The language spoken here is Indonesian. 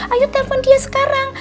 ayo telepon dia sekarang